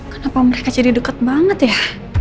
kenapa mereka jadi dekat banget ya